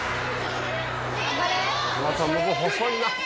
また向こう細いな。